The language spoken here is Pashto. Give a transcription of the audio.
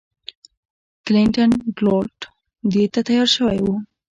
کلنټن دولت دې ته تیار شوی و.